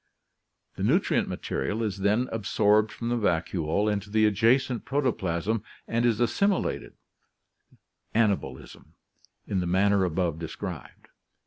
The nutrient material is then absorbed from the vacuole into the adjacent protoplasm and is assimilated (anabolism) in the manner above described.